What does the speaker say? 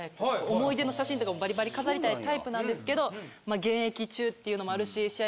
思い出の写真とかもバリバリ飾りたいタイプなんですけど現役中っていうのもあるし試合